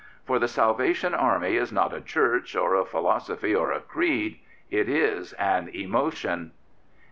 For the Salvation Army is not a Church or a philosophy or a creed; it is an emotion.